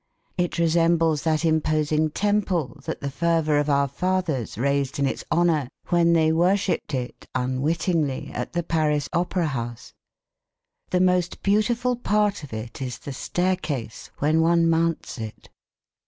It resembles that imposing temple that the fervour of our fathers raised in its honour when they worshipped it, unwittingly, at the Paris Opera house. The most beautiful part of it is the staircase when one mounts it.